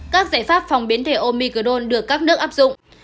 các giải pháp phòng biến thể omicron được các nước áp dụng